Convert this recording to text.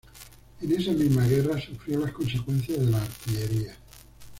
En esa misma guerra sufrió las consecuencias de la artillería.